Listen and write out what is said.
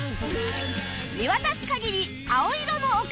見渡す限り青色の丘